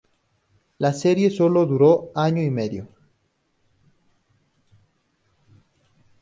La serie solo duro año y medio.